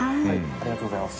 ・ありがとうございます。